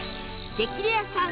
『激レアさん』